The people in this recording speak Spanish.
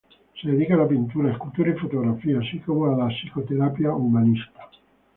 Se dedica a la pintura, escultura y fotografía, así como a la psicoterapia humanista.